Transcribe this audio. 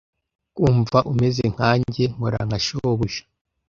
kumva umeze nkanjye nkora nka shobuja